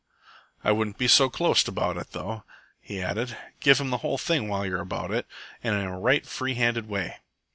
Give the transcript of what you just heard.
"I wouldn't be so clost about it, though," he added. "Give 'm the whole thing while you're about it, in a right free handed way."